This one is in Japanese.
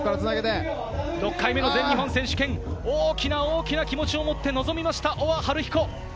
６回目の全日本選手権、大きな大きな気持ちを持って臨みました、大和晴彦。